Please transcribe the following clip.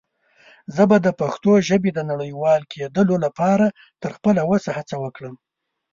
زه به دَ پښتو ژبې د نړيوال کيدلو لپاره تر خپله وسه هڅه وکړم.